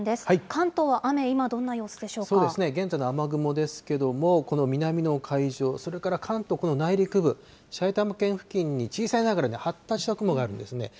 関東は雨、今、どんな様子でしょそうですね、現在の雨雲ですけれども、この南の海上、それから関東、この内陸部、埼玉県付近に、小さいながら、発達した雲があるんですね。